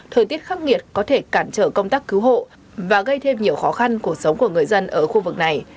thời tiết khắc nghiệt có thể cản trở công tác cứu hộ và gây thêm nhiều khó khăn của sống của người dân ở khu vực này